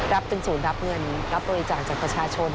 เป็นศูนย์รับเงินรับบริจาคจากประชาชน